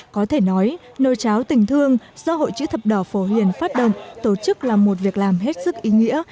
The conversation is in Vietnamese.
có thể nói nồi cháo tình thương do hội chữ thập đỏ phổ hiền phát động tổ chức là một việc làm hết sức ý nghĩa